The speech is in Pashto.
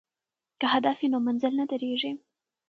که هدف وي نو مزل نه دریږي.